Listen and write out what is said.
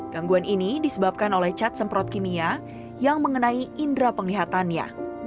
gangguan ini disebabkan oleh cat semprot kimia yang mengenai indera penglihatannya